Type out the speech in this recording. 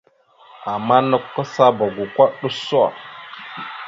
Ama nakw kasaba goko ɗʉso.